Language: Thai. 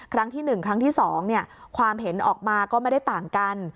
ครั้งที่๑ครั้งที่๒ความเห็นออกมาก็ไม่ได้ต่างกัน